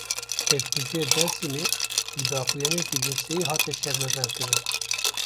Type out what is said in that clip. Tevkujiya Dêrsimê, bi daxuyaniyeke girseyî hate şermezarkirin